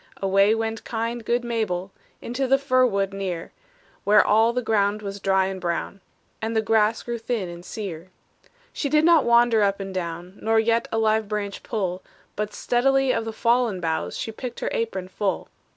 Away went kind, good Mabel, Into the fir wood near, Where all the ground was dry and brown. And the grass grew thin and sear. She did not wander up and down, Nor yet a live branch pull, But steadily of the fallen boughs She picked her apron full.